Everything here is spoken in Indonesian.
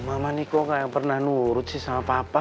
mama nih kok gak pernah nurut sih sama papa